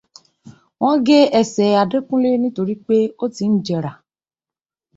Wọ́n gé ẹsẹ̀ Adékúnlé nítorí pé ó ti ń jẹrà